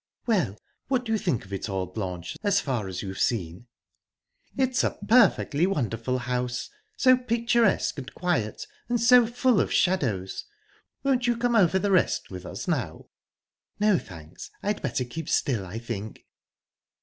"Well, what do you think of it all, Blanche, as far as you've seen?" "It's a perfectly wonderful house. So picturesque and quiet, and so full of shadows. Won't you come over the rest with us now?" "No, thanks. I'd better keep still, I think."